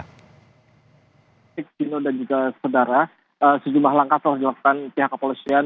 baik dino dan juga saudara sejumlah langkah telah dilakukan pihak kepolisian